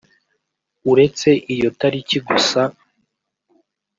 uretse iyo tariki gusa